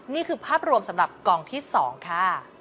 นี่คือภาพรวมสำหรับกองที่๒ค่ะ